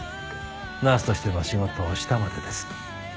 ナースとしての仕事をしたまでです。